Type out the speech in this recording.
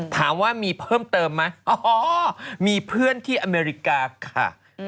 ถามว่ามีเพิ่มเติมไหมอ๋อมีเพื่อนที่อเมริกาค่ะ